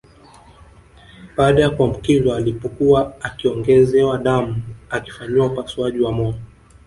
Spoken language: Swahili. Baada ya kuambukizwa alipokuwa akiongezewa damu akifanyiwa upasuaji wa moyo